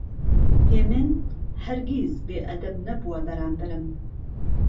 هێمن هەرگیز بێئەدەب نەبووە بەرامبەرم.